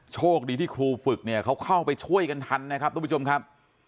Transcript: โชคดีที่ครูฝึกเนี่ยเขาเข้าไปช่วยกันทันนะครับทุกผู้ชมครับ